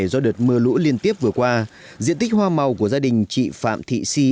do đợt mưa lũ liên tiếp vừa qua diện tích hoa màu của gia đình chị phạm thị si